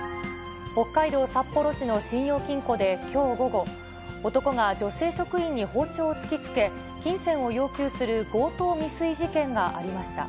北海道札幌市の信用金庫できょう午後、男が女性職員に包丁を突きつけ、金銭を要求する強盗未遂事件がありました。